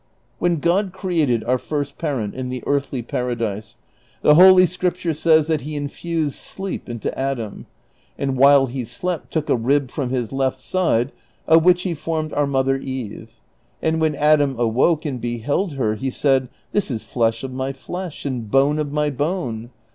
" When God created our first parent in the earthly paradise, the Holy Scripture says that he infused sleep into Adam and while he slept took a rib from his left side of which he formed our mother Eve, and when Adam awoke and beheld her he said, ' This is flesh of my flesh, and bone of my bone.'